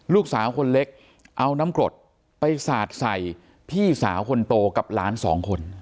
ลูกสาวคนเล็กเอาน้ำกรดไปสาดใส่พี่สาวคนโตกับหลานสองคน